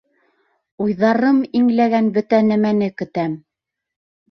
Уйҙарым иңләгән бөтә нәмәне көтәм.